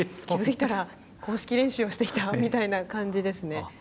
気付いたら公式練習をしていたみたいな感じですね。